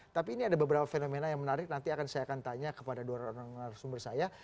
tapi ini ada beberapa fenomena yang menarik nanti saya akan tanya kepada dua orang narasumber saya